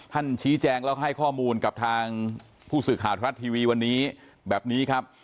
ชี้แจงแล้วให้ข้อมูลกับทางผู้สื่อข่าวทรัฐทีวีวันนี้แบบนี้ครับ